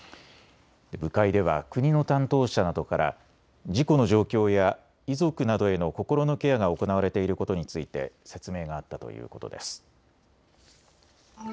部会では国の担当者などから事故の状況や遺族などへの心のケアが行われていることについて説明があったということです。